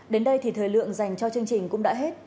đến đây thì thời lượng dành cho chương trình cũng đã hết